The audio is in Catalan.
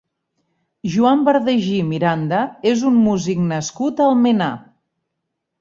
Joan Bardají Miranda és un músic nascut a Almenar.